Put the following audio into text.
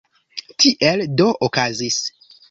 Tiel do okazis.